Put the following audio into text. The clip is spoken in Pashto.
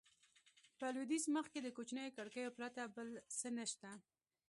په لوېدیځ مخ کې د کوچنیو کړکیو پرته بل څه نه شته.